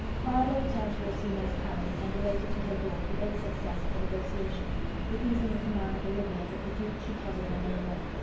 Viola returned to Orsino's palace, and related to her lord the ill success of the negotiation, repeating the command of Olivia that the duke should trouble her no more.